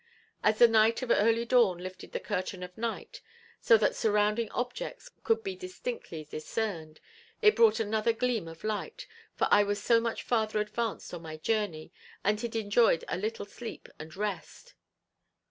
As the light of early dawn lifted the curtain of night, so that surrounding objects could be distinctly descerned, it brought another gleam of light, for I was so much farther advanced on my journey, and had enjoyed a little sleep and rest.